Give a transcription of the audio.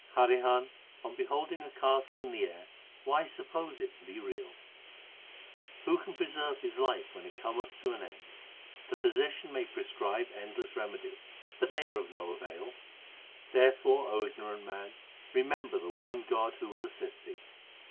Harihan, on beholding a castle in the air why suppose it to be real ? 21 Who can preserve his life when it cometh to an end ? The physician may prescribe endless remedies, but they are of no avail ; Therefore, O ignorant man, remember the one God who will assist thee.